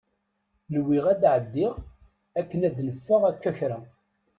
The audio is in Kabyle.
Nwiɣ ad ɛeddiɣ akken ad neffeɣ akka kra.